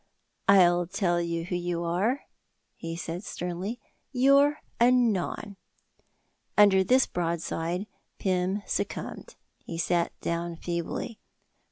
"I'll tell you who you are," he said sternly, "you're 'Anon.'" Under this broadside Pym succumbed. He sat down feebly.